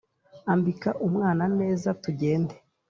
Ambika umwana neza tugende